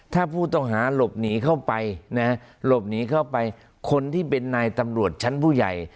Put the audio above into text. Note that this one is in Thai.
ถ้าผู้ต้องหาหลบหนีเข้าไปนะฮะหลบหนีเข้าไปคนที่เป็นนายตำรวจชั้นผู้ใหญ่